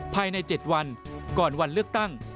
ภายใน๗วันก่อนวันเลือกตั้ง